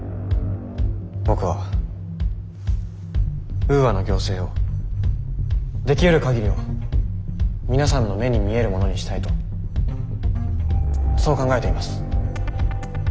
僕はウーアの行政をできうる限りを皆さんの目に見えるものにしたいとそう考えています。